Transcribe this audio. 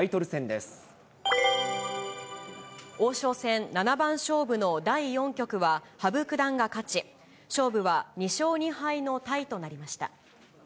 王将戦七番勝負の第４局は、羽生九段が勝ち、勝負は２勝２敗のタイとなりました。